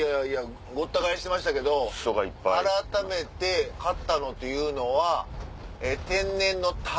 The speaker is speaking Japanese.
ごった返してましたけど改めて買ったのというのは天然の鯛。